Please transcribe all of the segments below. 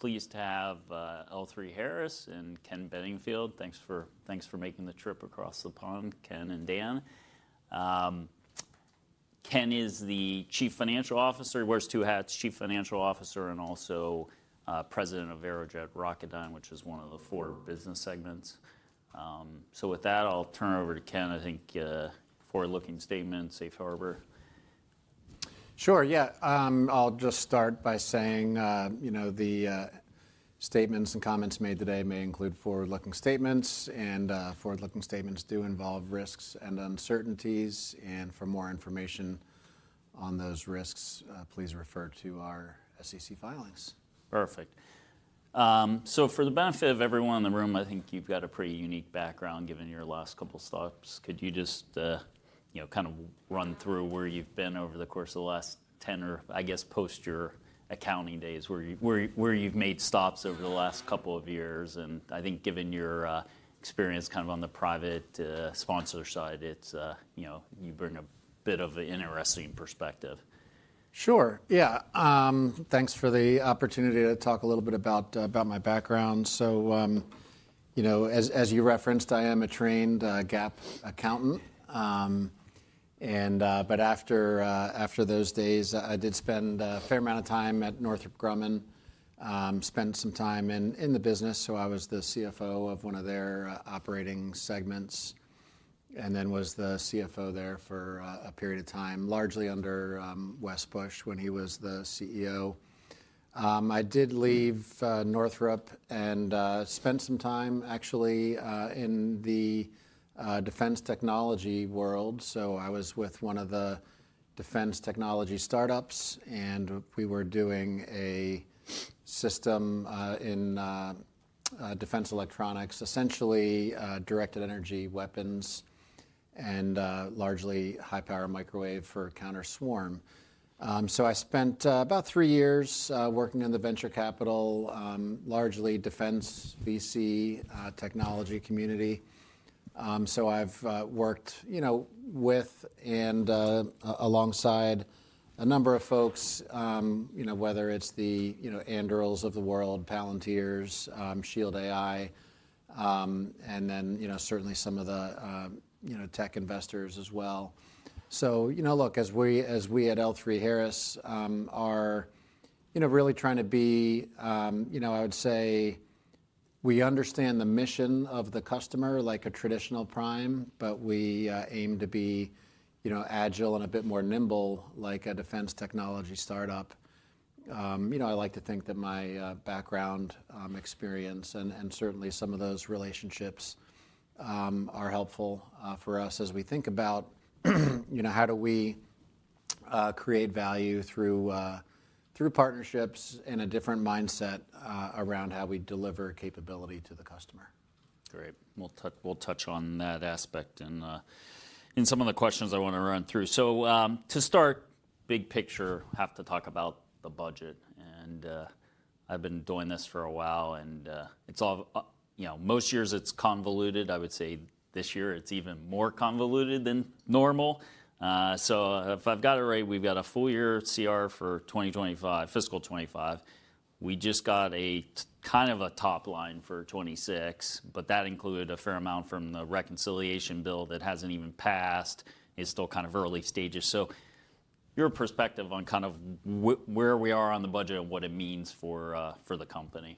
Pleased to have L3Harris and Ken Bedingfield. Thanks for making the trip across the pond, Ken and Dan. Ken is the Chief Financial Officer; he wears two hats, Chief Financial Officer and also President of Aerojet Rocketdyne, which is one of the four business segments. With that, I'll turn it over to Ken. I think forward-looking statements, safe harbor. Sure, yeah. I'll just start by saying the statements and comments made today may include forward-looking statements, and forward-looking statements do involve risks and uncertainties. For more information on those risks, please refer to our SEC filings. Perfect. For the benefit of everyone in the room, I think you've got a pretty unique background given your last couple of stops. Could you just kind of run through where you've been over the course of the last 10 or, I guess, post your accounting days, where you've made stops over the last couple of years? I think given your experience kind of on the private sponsor side, you bring a bit of an interesting perspective. Sure, yeah. Thanks for the opportunity to talk a little bit about my background. As you referenced, I am a trained GAAP accountant. After those days, I did spend a fair amount of time at Northrop Grumman, spent some time in the business. I was the CFO of one of their operating segments and then was the CFO there for a period of time, largely under Wes Bush when he was the CEO. I did leave Northrop and spent some time actually in the defense technology world. I was with one of the defense technology startups, and we were doing a system in defense electronics, essentially directed energy weapons and largely high-power microwave for counter-swarm. I spent about three years working in the venture capital, largely defense VC technology community. I've worked with and alongside a number of folks, whether it's the Anduril's of the world, Palantir's, Shield AI, and then certainly some of the tech investors as well. Look, as we at L3Harris are really trying to be, I would say we understand the mission of the customer like a traditional prime, but we aim to be agile and a bit more nimble like a defense technology startup. I like to think that my background experience and certainly some of those relationships are helpful for us as we think about how do we create value through partnerships and a different mindset around how we deliver capability to the customer. Great. We'll touch on that aspect in some of the questions I want to run through. To start, big picture, have to talk about the budget. I've been doing this for a while, and most years it's convoluted. I would say this year it's even more convoluted than normal. If I've got it right, we've got a full year Continuing Resolution for Fiscal 2025. We just got kind of a top line for 2026, but that included a fair amount from the reconciliation bill that hasn't even passed. It's still kind of early stages. Your perspective on kind of where we are on the budget and what it means for the company?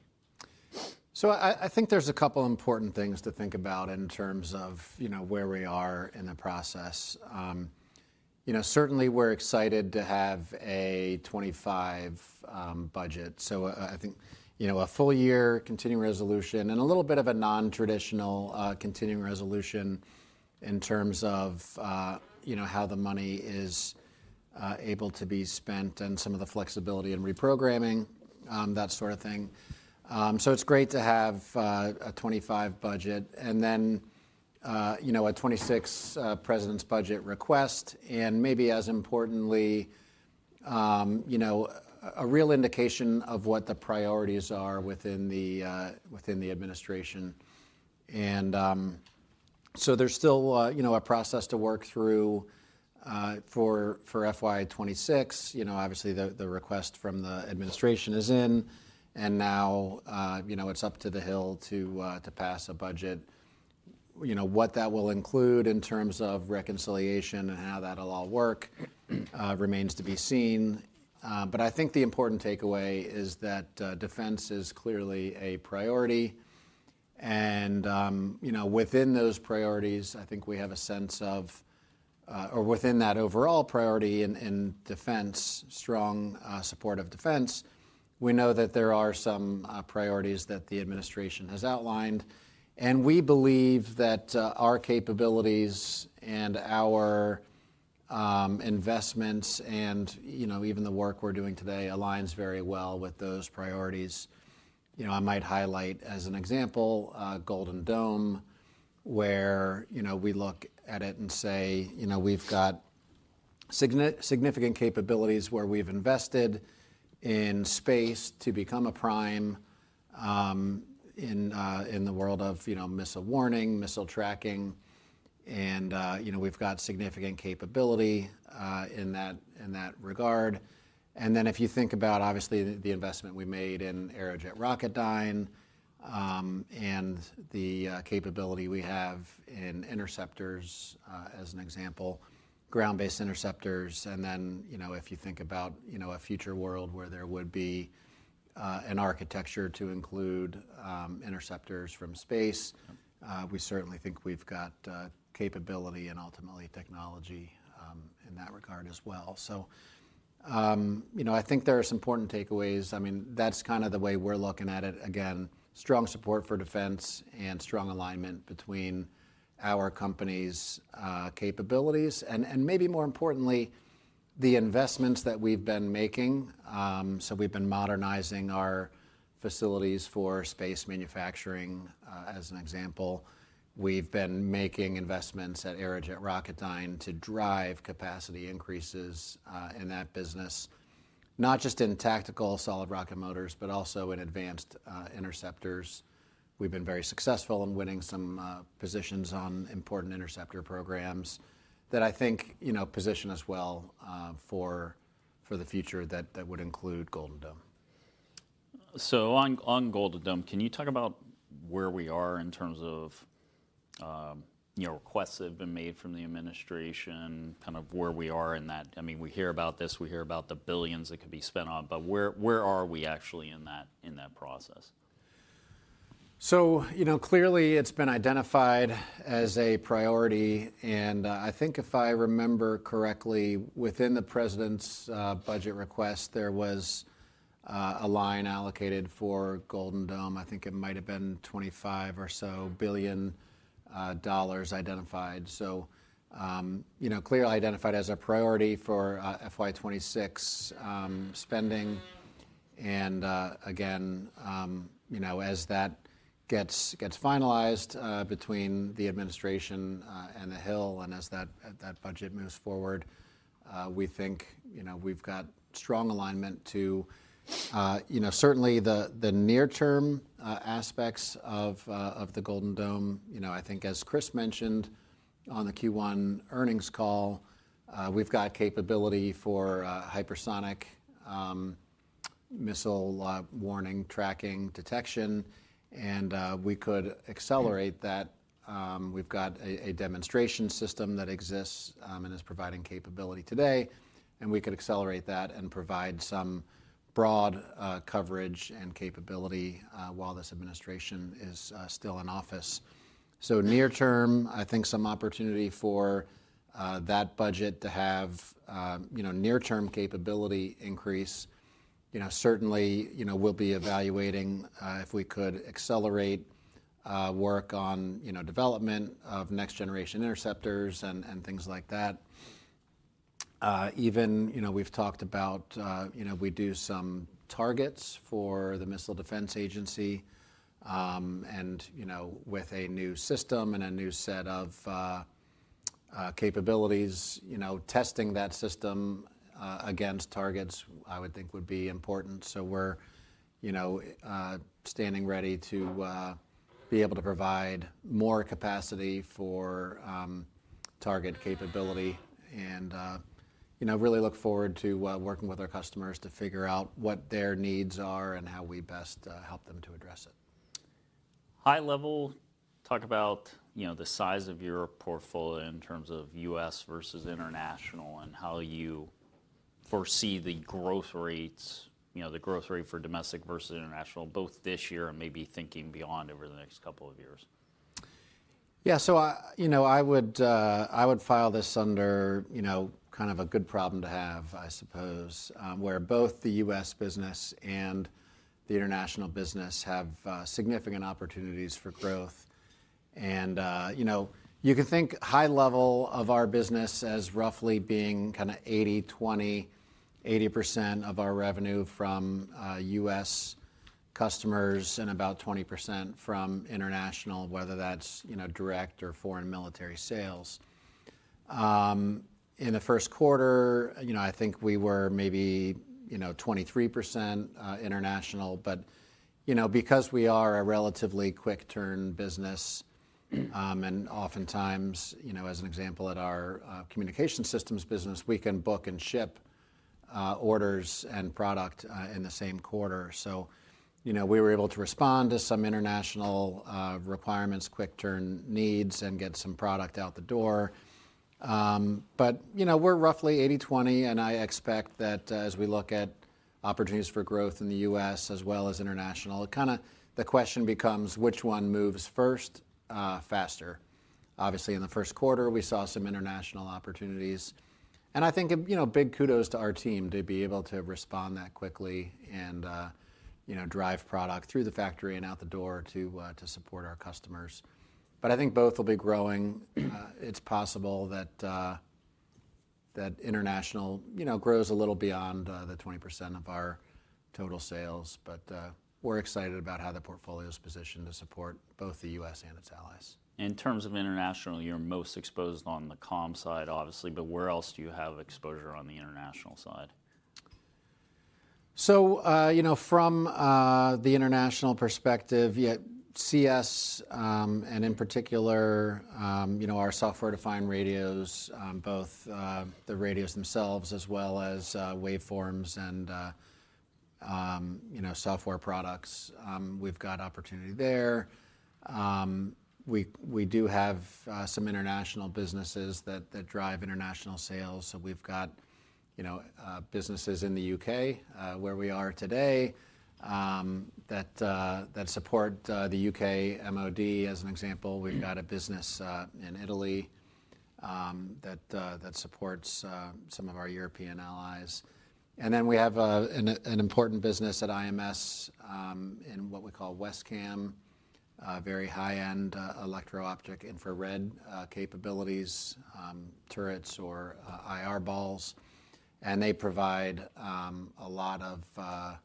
I think there's a couple of important things to think about in terms of where we are in the process. Certainly, we're excited to have a 2025 budget. I think a full year continuing resolution and a little bit of a non-traditional continuing resolution in terms of how the money is able to be spent and some of the flexibility and reprogramming, that sort of thing. It's great to have a 2025 budget and then a 2026 president's budget request and maybe as importantly, a real indication of what the priorities are within the administration. There's still a process to work through for FY2026. Obviously, the request from the administration is in, and now it's up to the hill to pass a budget. What that will include in terms of reconciliation and how that'll all work remains to be seen. I think the important takeaway is that defense is clearly a priority. Within those priorities, I think we have a sense of, or within that overall priority in defense, strong support of defense. We know that there are some priorities that the administration has outlined, and we believe that our capabilities and our investments and even the work we're doing today aligns very well with those priorities. I might highlight as an example Golden Dome, where we look at it and say we've got significant capabilities where we've invested in space to become a prime in the world of missile warning, missile tracking. We've got significant capability in that regard. If you think about obviously the investment we made in Aerojet Rocketdyne and the capability we have in interceptors as an example, ground-based interceptors. If you think about a future world where there would be an architecture to include interceptors from space, we certainly think we've got capability and ultimately technology in that regard as well. I think there are some important takeaways. I mean, that's kind of the way we're looking at it. Again, strong support for defense and strong alignment between our company's capabilities and maybe more importantly, the investments that we've been making. We've been modernizing our facilities for space manufacturing as an example. We've been making investments at Aerojet Rocketdyne to drive capacity increases in that business, not just in tactical solid rocket motors, but also in advanced interceptors. We've been very successful in winning some positions on important interceptor programs that I think position us well for the future that would include Golden Dome. On Golden Dome, can you talk about where we are in terms of requests that have been made from the administration, kind of where we are in that? I mean, we hear about this, we hear about the billions that could be spent on, but where are we actually in that process? Clearly it's been identified as a priority. I think if I remember correctly, within the president's budget request, there was a line allocated for Golden Dome. I think it might have been $25 billion or so identified. Clearly identified as a priority for FY2026 spending. Again, as that gets finalized between the administration and the hill and as that budget moves forward, we think we've got strong alignment to certainly the near-term aspects of the Golden Dome. I think as Chris mentioned on the Q1 earnings call, we've got capability for hypersonic missile warning tracking detection, and we could accelerate that. We've got a demonstration system that exists and is providing capability today, and we could accelerate that and provide some broad coverage and capability while this administration is still in office. Near-term, I think some opportunity for that budget to have near-term capability increase. Certainly, we'll be evaluating if we could accelerate work on development of next-generation interceptors and things like that. Even we've talked about we do some targets for the Missile Defense Agency, and with a new system and a new set of capabilities, testing that system against targets I would think would be important. We are standing ready to be able to provide more capacity for target capability and really look forward to working with our customers to figure out what their needs are and how we best help them to address it. High level, talk about the size of your portfolio in terms of U.S. versus international and how you foresee the growth rates, the growth rate for domestic versus international, both this year and maybe thinking beyond over the next couple of years. Yeah, so I would file this under kind of a good problem to have, I suppose, where both the U.S. business and the international business have significant opportunities for growth. You can think high level of our business as roughly being kind of 80/20. 80% of our revenue from U.S. customers and about 20% from international, whether that's direct or foreign military sales. In the first quarter, I think we were maybe 23% international, but because we are a relatively quick-turn business and oftentimes, as an example, at our communication systems business, we can book and ship orders and product in the same quarter. We were able to respond to some international requirements, quick-turn needs, and get some product out the door. We're roughly 80/20, and I expect that as we look at opportunities for growth in the U.S. as well as international, kind of the question becomes which one moves first faster. Obviously, in the first quarter, we saw some international opportunities. I think big kudos to our team to be able to respond that quickly and drive product through the factory and out the door to support our customers. I think both will be growing. It's possible that international grows a little beyond the 20% of our total sales, but we're excited about how the portfolio is positioned to support both the U.S. and its allies. In terms of international, you're most exposed on the comm side, obviously, but where else do you have exposure on the international side? From the international perspective, CS and in particular our software-defined radios, both the radios themselves as well as waveforms and software products, we've got opportunity there. We do have some international businesses that drive international sales. We've got businesses in the U.K. where we are today that support the U.K. MoD as an example. We've got a business in Italy that supports some of our European allies. We have an important business at IMS in what we call WESCAM, very high-end electro-optic infrared capabilities, turrets or IR balls. They provide a lot of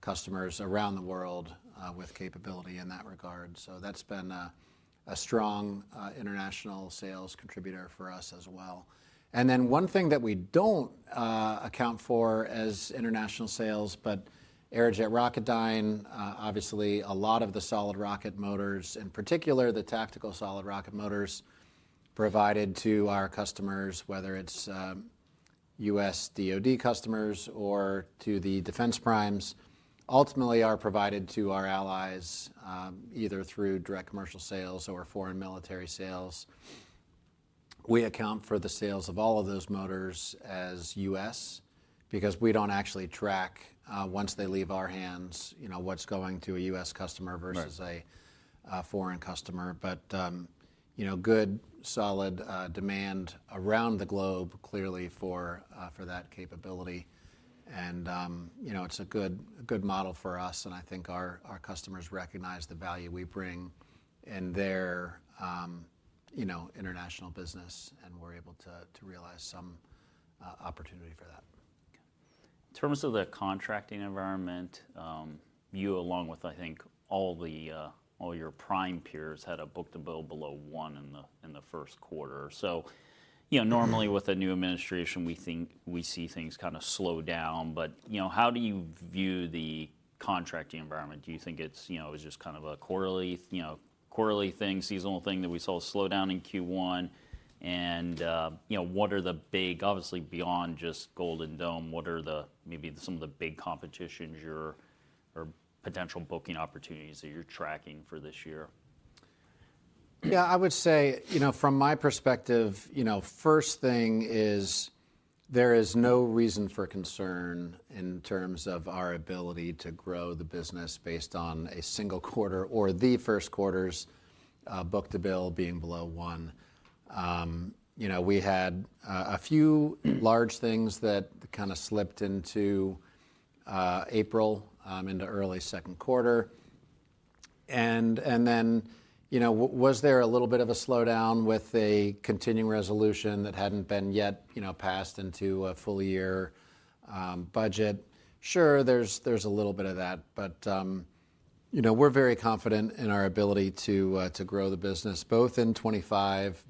customers around the world with capability in that regard. That's been a strong international sales contributor for us as well. One thing that we do not account for as international sales, but Aerojet Rocketdyne, obviously a lot of the solid rocket motors in particular, the tactical solid rocket motors provided to our customers, whether it is U.S. DoD customers or to the defense primes, ultimately are provided to our allies either through direct commercial sales or foreign military sales. We account for the sales of all of those motors as U.S. because we do not actually track once they leave our hands what is going to a U.S. customer versus a foreign customer. Good solid demand around the globe clearly for that capability. It is a good model for us, and I think our customers recognize the value we bring in their international business, and we are able to realize some opportunity for that. In terms of the contracting environment, you along with, I think, all your prime peers had a book-to-bill below one in the first quarter. Normally with a new administration, we see things kind of slow down, but how do you view the contracting environment? Do you think it's just kind of a quarterly thing, seasonal thing that we saw slow down in Q1? What are the big, obviously beyond just Golden Dome, what are maybe some of the big competitions or potential booking opportunities that you're tracking for this year? Yeah, I would say from my perspective, first thing is there is no reason for concern in terms of our ability to grow the business based on a single quarter or the first quarter's book-to-bill being below one. We had a few large things that kind of slipped into April, into early second quarter. Was there a little bit of a slowdown with a Continuing Resolution that had not been yet passed into a full year budget? Sure, there is a little bit of that, but we are very confident in our ability to grow the business both in 2025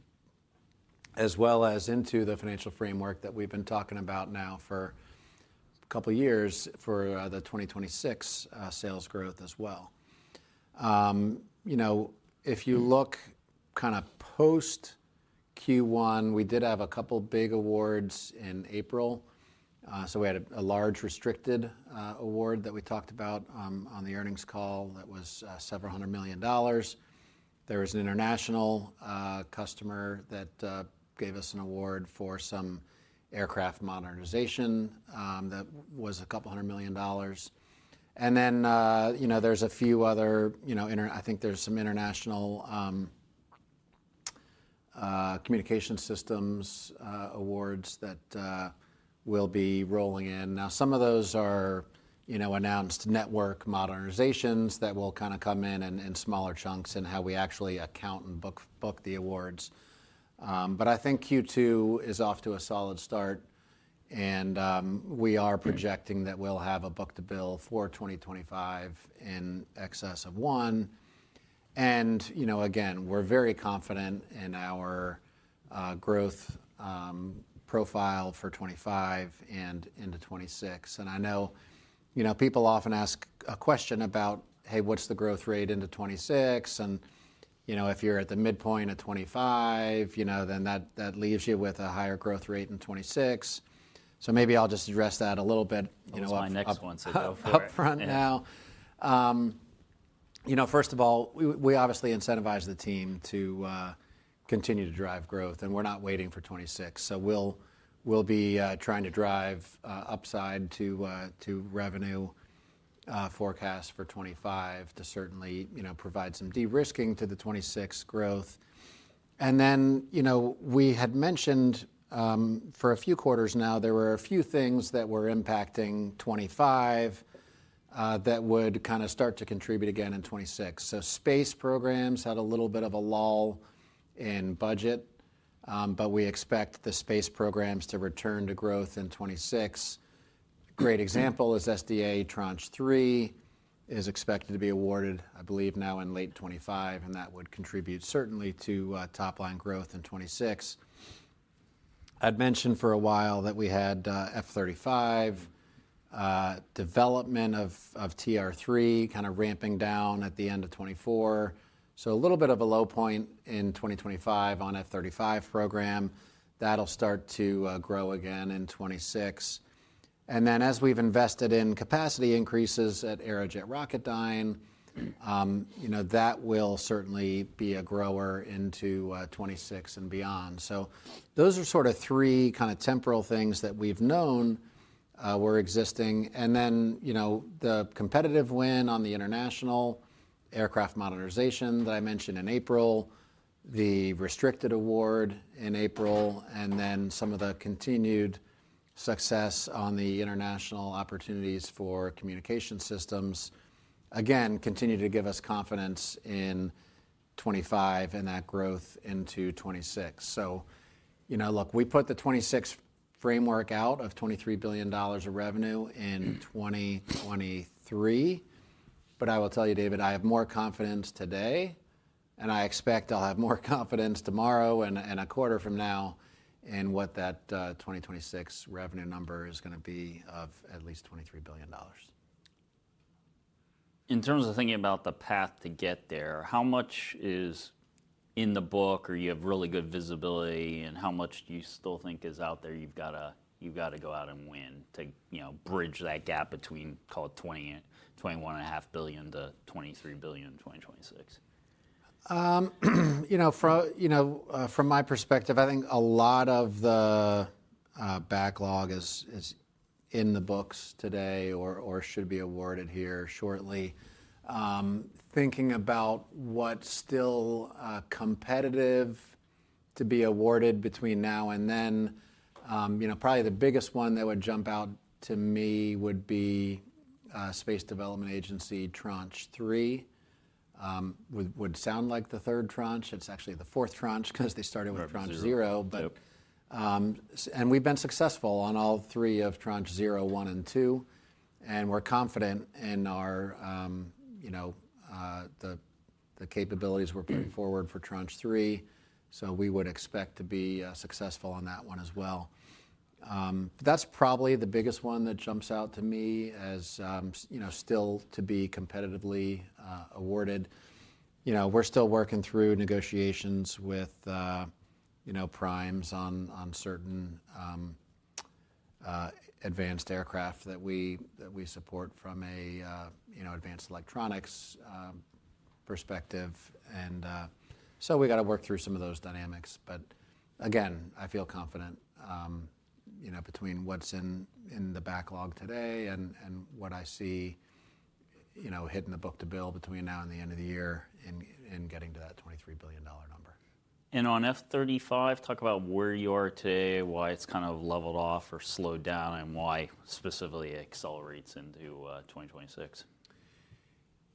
as well as into the financial framework that we have been talking about now for a couple of years for the 2026 sales growth as well. If you look kind of post Q1, we did have a couple of big awards in April. We had a large restricted award that we talked about on the earnings call that was several hundred million dollars. There was an international customer that gave us an award for some aircraft modernization that was a couple hundred million dollars. There are a few other, I think there are some international communication systems awards that will be rolling in. Some of those are announced network modernizations that will kind of come in in smaller chunks and how we actually account and book the awards. I think Q2 is off to a solid start, and we are projecting that we'll have a book-to-bill for 2025 in excess of one. Again, we're very confident in our growth profile for 2025 and into 2026. I know people often ask a question about, hey, what's the growth rate into 2026? If you're at the midpoint of 2025, that leaves you with a higher growth rate in 2026. Maybe I'll just address that a little bit. That's my next one to go for. Upfront now. First of all, we obviously incentivize the team to continue to drive growth, and we're not waiting for 2026. We'll be trying to drive upside to revenue forecast for 2025 to certainly provide some de-risking to the 2026 growth. We had mentioned for a few quarters now, there were a few things that were impacting 2025 that would kind of start to contribute again in 2026. Space programs had a little bit of a lull in budget, but we expect the space programs to return to growth in 2026. Great example is SDA Tranche 3 is expected to be awarded, I believe now in late 2025, and that would contribute certainly to top-line growth in 2026. I had mentioned for a while that we had F-35 development of TR-3 kind of ramping down at the end of 2024. A little bit of a low point in 2025 on F-35 program. That will start to grow again in 2026. As we have invested in capacity increases at Aerojet Rocketdyne, that will certainly be a grower into 2026 and beyond. Those are sort of three kind of temporal things that we have known were existing. The competitive win on the international aircraft modernization that I mentioned in April, the restricted award in April, and some of the continued success on the international opportunities for communication systems again continue to give us confidence in 2025 and that growth into 2026. Look, we put the 26 framework out of $23 billion of revenue in 2023, but I will tell you, David, I have more confidence today, and I expect I'll have more confidence tomorrow and a quarter from now in what that 2026 revenue number is going to be of at least $23 billion. In terms of thinking about the path to get there, how much is in the book or you have really good visibility, and how much do you still think is out there you've got to go out and win to bridge that gap between, call it $21.5 billion to $23 billion in 2026? From my perspective, I think a lot of the backlog is in the books today or should be awarded here shortly. Thinking about what's still competitive to be awarded between now and then, probably the biggest one that would jump out to me would be Space Development Agency Tranche 3. Would sound like the third tranche. It's actually the fourth tranche because they started with Tranche 0. And we've been successful on all three of Tranche 0, 1, and 2, and we're confident in the capabilities we're putting forward for Tranche 3. So we would expect to be successful on that one as well. That's probably the biggest one that jumps out to me as still to be competitively awarded. We're still working through negotiations with primes on certain advanced aircraft that we support from an advanced electronics perspective. And so we got to work through some of those dynamics. Again, I feel confident between what's in the backlog today and what I see hit in the book-to-bill between now and the end of the year in getting to that $23 billion. On F-35, talk about where you are today, why it's kind of leveled off or slowed down, and why specifically accelerates into 2026.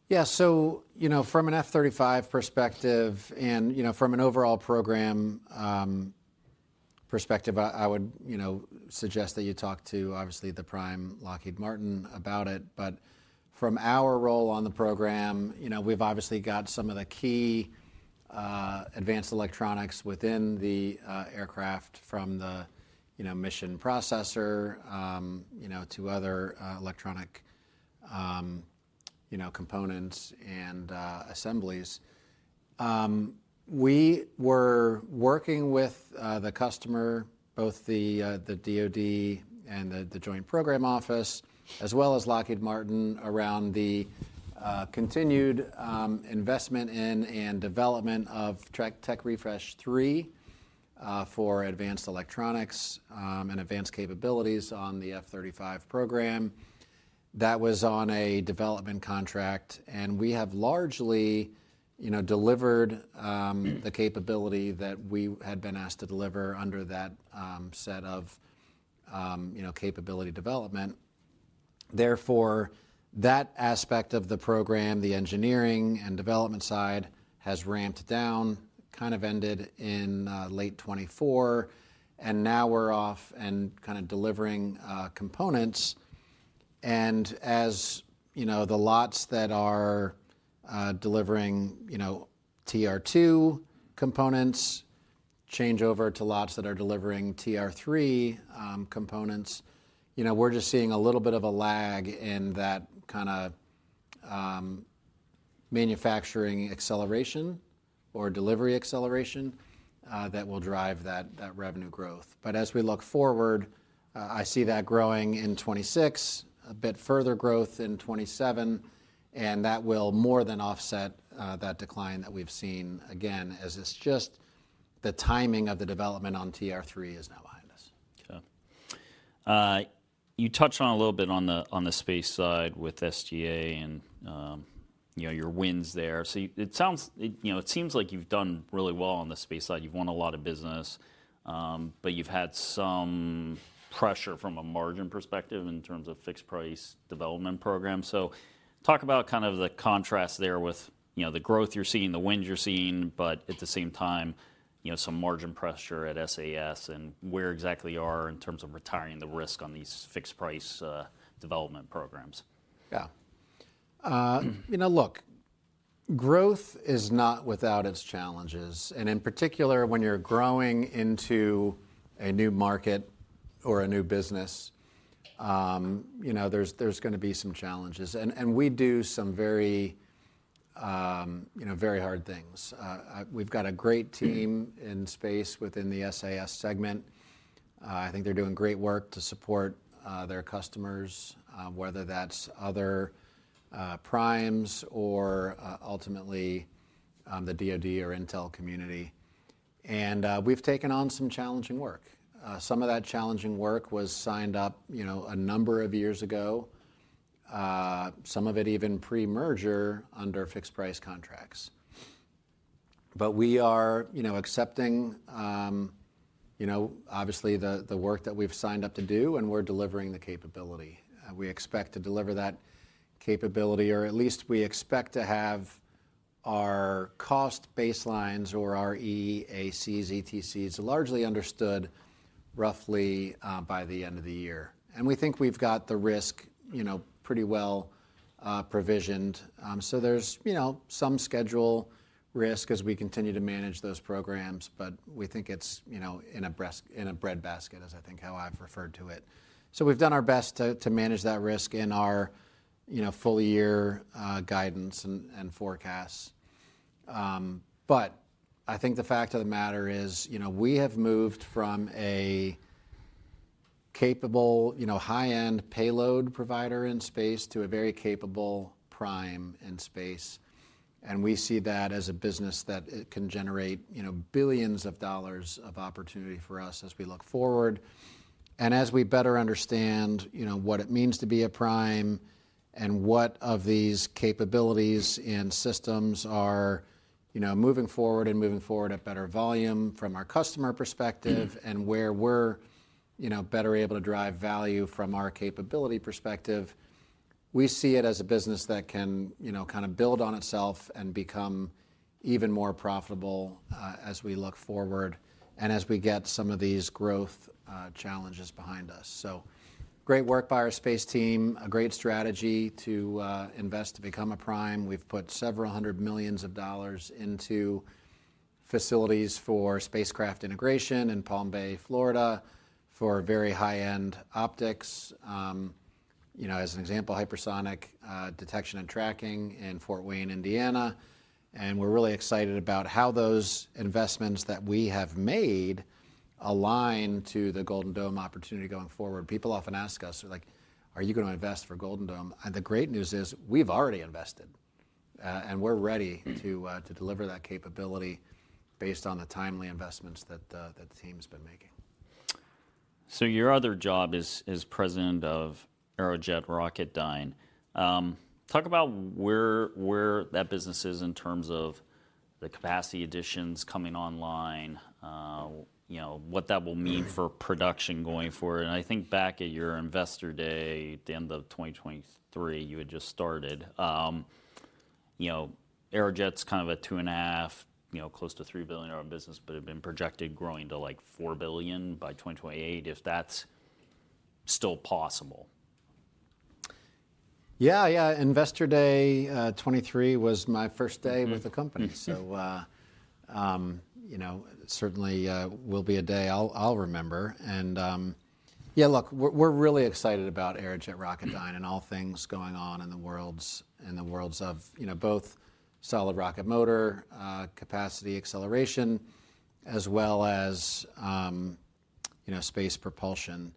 Yeah, so from an F-35 perspective and from an overall program perspective, I would suggest that you talk to obviously the prime Lockheed Martin about it. But from our role on the program, we've obviously got some of the key advanced electronics within the aircraft from the mission processor to other electronic components and assemblies. We were working with the customer, both the DoD and the Joint Program Office, as well as Lockheed Martin around the continued investment in and development of Tech Refresh 3 for advanced electronics and advanced capabilities on the F-35 program. That was on a development contract, and we have largely delivered the capability that we had been asked to deliver under that set of capability development. Therefore, that aspect of the program, the engineering and development side has ramped down, kind of ended in late 2024, and now we're off and kind of delivering components. As the lots that are delivering TR2 components change over to lots that are delivering TR3 components, we're just seeing a little bit of a lag in that kind of manufacturing acceleration or delivery acceleration that will drive that revenue growth. As we look forward, I see that growing in 2026, a bit further growth in 2027, and that will more than offset that decline that we've seen again as it's just the timing of the development on TR3 is now behind us. You touched on a little bit on the space side with SDA and your wins there. It seems like you've done really well on the space side. You've won a lot of business, but you've had some pressure from a margin perspective in terms of fixed price development programs. Talk about kind of the contrast there with the growth you're seeing, the wins you're seeing, but at the same time, some margin pressure at SAS and where exactly you are in terms of retiring the risk on these fixed price development programs. Yeah. Look, growth is not without its challenges. In particular, when you're growing into a new market or a new business, there's going to be some challenges. We do some very hard things. We've got a great team in space within the SAS segment. I think they're doing great work to support their customers, whether that's other primes or ultimately the DoD or Intel community. We've taken on some challenging work. Some of that challenging work was signed up a number of years ago, some of it even pre-merger under fixed price contracts. We are accepting obviously the work that we've signed up to do, and we're delivering the capability. We expect to deliver that capability, or at least we expect to have our cost baselines or our EEACs, ETCs largely understood roughly by the end of the year. We think we've got the risk pretty well provisioned. There is some schedule risk as we continue to manage those programs, but we think it's in a breadbasket is I think how I've referred to it. We've done our best to manage that risk in our full year guidance and forecasts. I think the fact of the matter is we have moved from a capable high-end payload provider in space to a very capable prime in space. We see that as a business that can generate billions of dollars of opportunity for us as we look forward. As we better understand what it means to be a prime and what of these capabilities and systems are moving forward and moving forward at better volume from our customer perspective and where we're better able to drive value from our capability perspective, we see it as a business that can kind of build on itself and become even more profitable as we look forward and as we get some of these growth challenges behind us. Great work by our space team, a great strategy to invest to become a prime. We've put several hundred million dollars into facilities for spacecraft integration in Palm Bay, Florida for very high-end optics. As an example, hypersonic detection and tracking in Fort Wayne, Indiana. We're really excited about how those investments that we have made align to the Golden Dome opportunity going forward. People often ask us, like, are you going to invest for Golden Dome? The great news is we've already invested, and we're ready to deliver that capability based on the timely investments that the team has been making. Your other job is President of Aerojet Rocketdyne. Talk about where that business is in terms of the capacity additions coming online, what that will mean for production going forward. I think back at your investor day, the end of 2023, you had just started. Aerojet's kind of a two and a half, close to $3 billion business, but it had been projected growing to like $4 billion by 2028 if that's still possible. Yeah, yeah. Investor day 2023 was my first day with the company. Certainly will be a day I'll remember. Yeah, look, we're really excited about Aerojet Rocketdyne and all things going on in the worlds of both solid rocket motor capacity acceleration as well as space propulsion.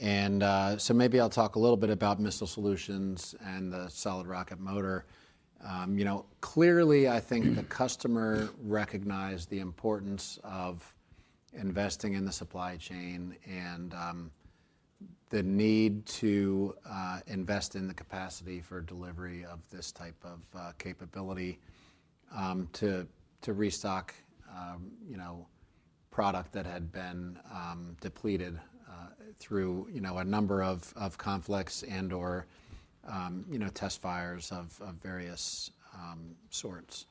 Maybe I'll talk a little bit about missile solutions and the solid rocket motor. Clearly, I think the customer recognized the importance of investing in the supply chain and the need to invest in the capacity for delivery of this type of capability to restock product that had been depleted through a number of conflicts and/or test fires of various sorts.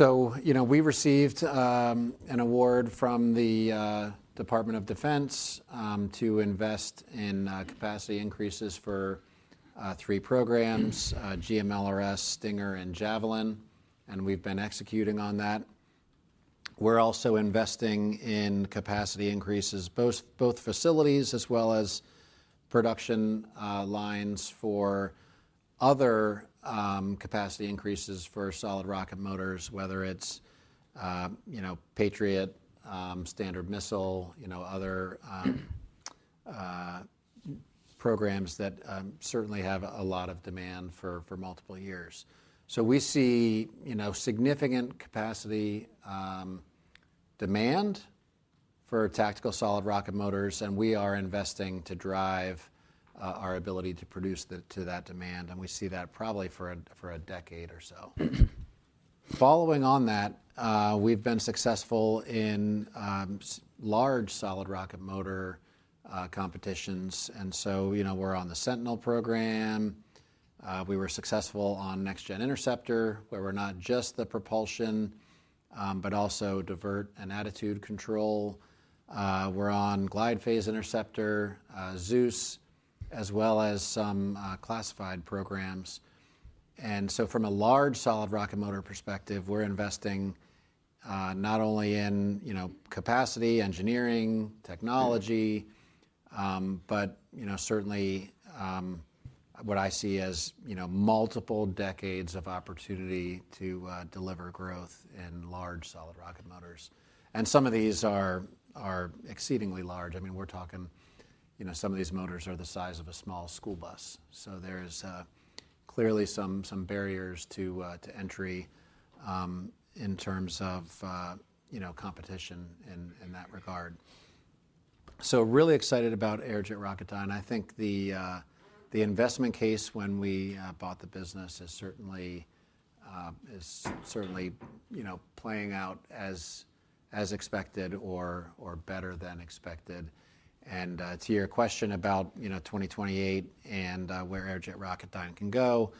We received an award from the Department of Defense to invest in capacity increases for three programs, GMLRS, Stinger, and Javelin. We've been executing on that. We're also investing in capacity increases, both facilities as well as production lines for other capacity increases for solid rocket motors, whether it's Patriot, Standard Missile, other programs that certainly have a lot of demand for multiple years. We see significant capacity demand for tactical solid rocket motors, and we are investing to drive our ability to produce to that demand. We see that probably for a decade or so. Following on that, we've been successful in large solid rocket motor competitions. We are on the Sentinel program. We were successful on Next Generation Interceptor, where we're not just the propulsion, but also divert and attitude control. We're on Glide Phase Interceptor, Zeus, as well as some classified programs. From a large solid rocket motor perspective, we're investing not only in capacity, engineering, technology, but certainly what I see as multiple decades of opportunity to deliver growth in large solid rocket motors. Some of these are exceedingly large. I mean, we're talking some of these motors are the size of a small school bus. There are clearly some barriers to entry in terms of competition in that regard. Really excited about Aerojet Rocketdyne. I think the investment case when we bought the business is certainly playing out as expected or better than expected. To your question about 2028 and where Aerojet Rocketdyne can go,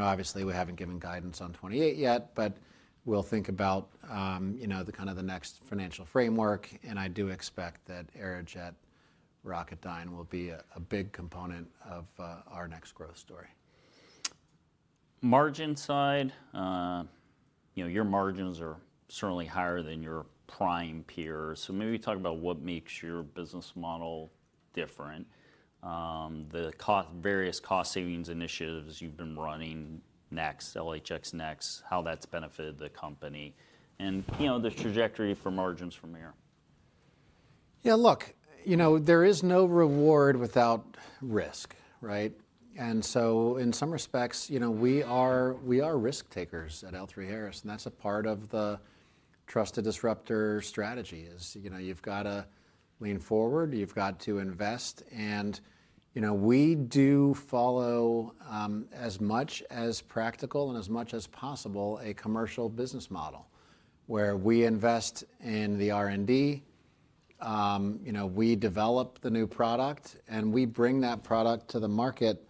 obviously we haven't given guidance on 2028 yet, but we'll think about kind of the next financial framework. I do expect that Aerojet Rocketdyne will be a big component of our next growth story. Margin side, your margins are certainly higher than your prime peers. Maybe talk about what makes your business model different, the various cost savings initiatives you've been running next, LHX NeXt, how that's benefited the company, and the trajectory for margins from here. Yeah, look, there is no reward without risk, right? In some respects, we are risk takers at L3Harris. That is a part of the trusted disruptor strategy, you have to lean forward, you have to invest. We do follow as much as practical and as much as possible a commercial business model where we invest in the R&D, we develop the new product, and we bring that product to the market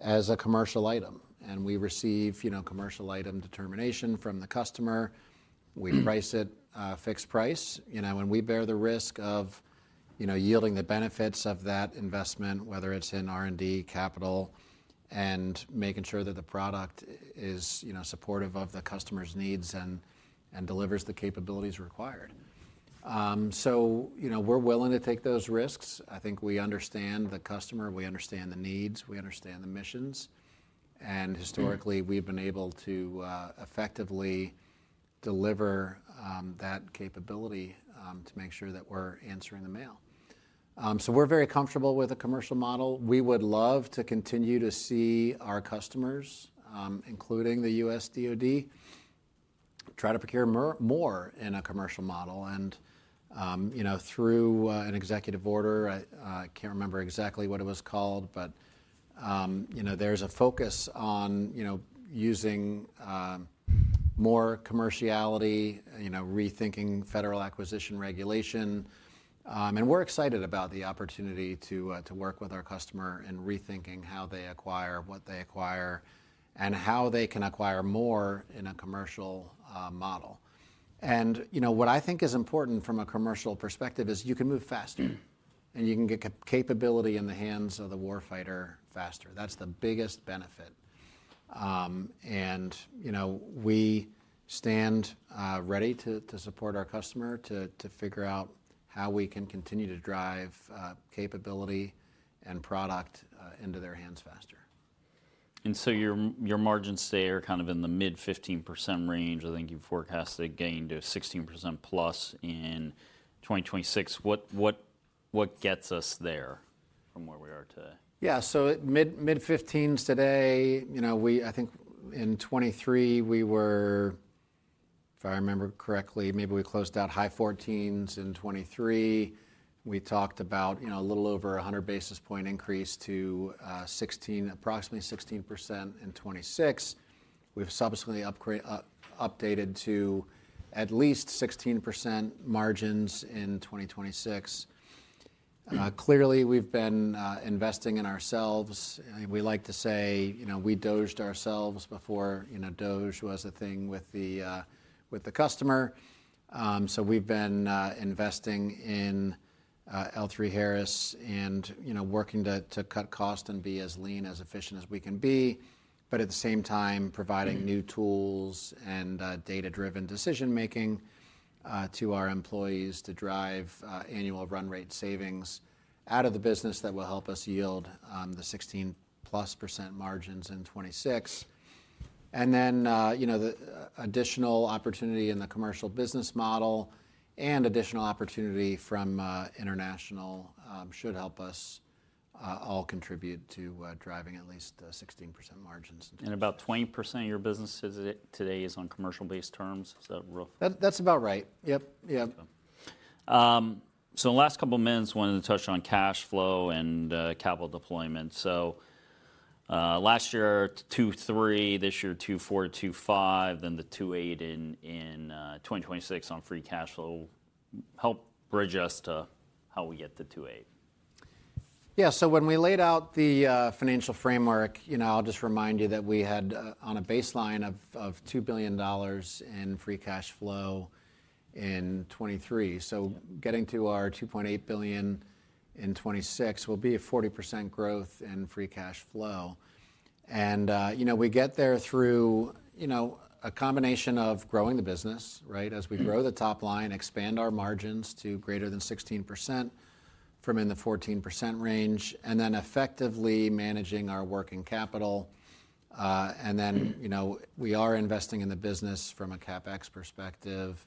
as a commercial item. We receive commercial item determination from the customer. We price it fixed price. We bear the risk of yielding the benefits of that investment, whether it is in R&D, capital, and making sure that the product is supportive of the customer's needs and delivers the capabilities required. We are willing to take those risks. I think we understand the customer, we understand the needs, we understand the missions. Historically, we've been able to effectively deliver that capability to make sure that we're answering the mail. We are very comfortable with a commercial model. We would love to continue to see our customers, including the U.S. DoD, try to procure more in a commercial model. Through an executive order, I can't remember exactly what it was called, but there is a focus on using more commerciality, rethinking federal acquisition regulation. We are excited about the opportunity to work with our customer in rethinking how they acquire, what they acquire, and how they can acquire more in a commercial model. What I think is important from a commercial perspective is you can move faster and you can get capability in the hands of the warfighter faster. That is the biggest benefit. We stand ready to support our customer to figure out how we can continue to drive capability and product into their hands faster. Your margins today are kind of in the mid 15% range. I think you've forecast a gain to 16% plus in 2026. What gets us there from where we are today? Yeah, so mid-15s today. I think in 2023, we were, if I remember correctly, maybe we closed out high 14s in 2023. We talked about a little over 100 basis point increase to approximately 16% in 2026. We've subsequently updated to at least 16% margins in 2026. Clearly, we've been investing in ourselves. We like to say we doged ourselves before doge was a thing with the customer. So we've been investing in L3Harris and working to cut cost and be as lean, as efficient as we can be, but at the same time providing new tools and data-driven decision-making to our employees to drive annual run rate savings out of the business that will help us yield the 16 plus percent margins in 2026. Additional opportunity in the commercial business model and additional opportunity from international should help us all contribute to driving at least 16% margins. About 20% of your business today is on commercial-based terms. Is that rough? That's about right. Yep, yep. In the last couple of minutes, I wanted to touch on cash flow and capital deployment. Last year, $2.3 billion, this year, $2.4 billion, $2.5 billion, then the $2.8 billion in 2026 on free cash flow. Help bridge us to how we get to $2.8 billion. Yeah, when we laid out the financial framework, I'll just remind you that we had on a baseline of $2 billion in free cash flow in 2023. Getting to our $2.8 billion in 2026 will be a 40% growth in free cash flow. We get there through a combination of growing the business, right, as we grow the top line, expand our margins to greater than 16% from in the 14% range, and then effectively managing our working capital. We are investing in the business from a CapEx perspective,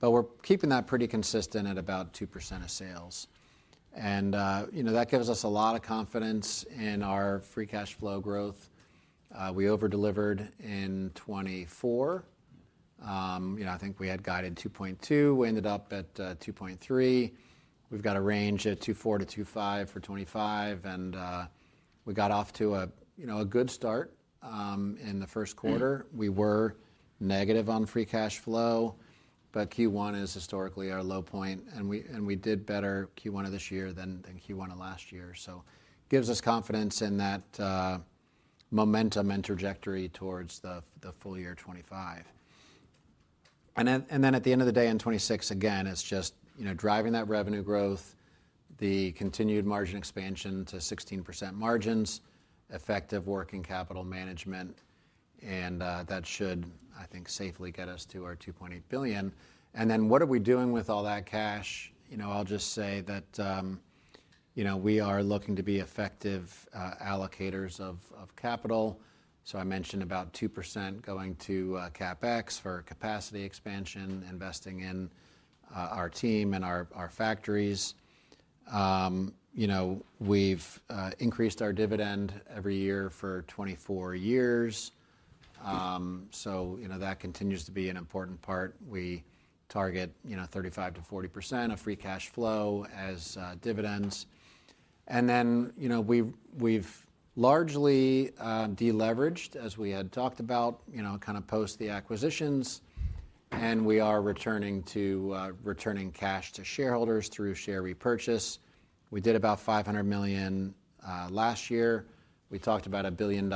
but we're keeping that pretty consistent at about 2% of sales. That gives us a lot of confidence in our free cash flow growth. We over-delivered in 2024. I think we had guided $2.2 billion, we ended up at $2.3 billion. We've got a range at $2.4 billion-$2.5 billion for 2025. We got off to a good start in the first quarter. We were negative on free cash flow, but Q1 is historically our low point. We did better Q1 of this year than Q1 of last year. It gives us confidence in that momentum and trajectory towards the full year 2025. At the end of the day in 2026, again, it is just driving that revenue growth, the continued margin expansion to 16% margins, effective working capital management. That should, I think, safely get us to our $2.8 billion. What are we doing with all that cash? I'll just say that we are looking to be effective allocators of capital. I mentioned about 2% going to CapEx for capacity expansion, investing in our team and our factories. We've increased our dividend every year for 24 years. That continues to be an important part. We target 35%-40% of free cash flow as dividends. We have largely deleveraged, as we had talked about, kind of post the acquisitions. We are returning cash to shareholders through share repurchase. We did about $500 million last year. We talked about $1 billion in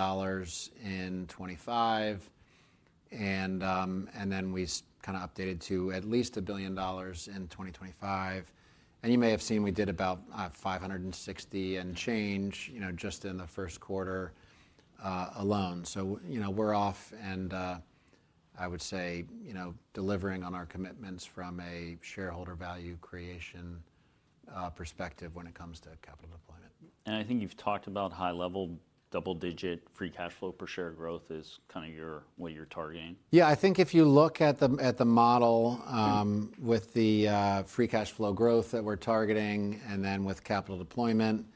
2025. We kind of updated to at least $1 billion in 2025. You may have seen we did about $560 million and change just in the first quarter alone. We are off, and I would say delivering on our commitments from a shareholder value creation perspective when it comes to capital deployment. I think you've talked about high-level double-digit free cash flow per share growth is kind of what you're targeting. Yeah, I think if you look at the model with the free cash flow growth that we're targeting and then with capital deployment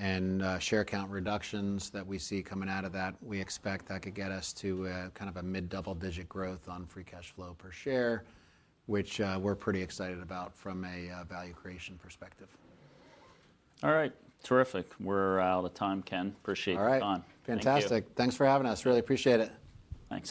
and share count reductions that we see coming out of that, we expect that could get us to kind of a mid double-digit growth on free cash flow per share, which we're pretty excited about from a value creation perspective. All right, terrific. We're out of time, Ken. Appreciate your time. All right, fantastic. Thanks for having us. Really appreciate it. Thanks.